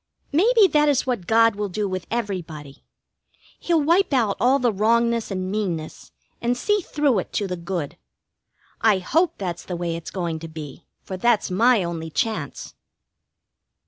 Maybe that is what God will do with everybody. He'll wipe out all the wrongness and meanness, and see through it to the good. I hope that's the way it's going to be, for that's my only chance.